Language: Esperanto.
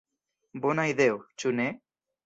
Bona ideo, ĉu ne?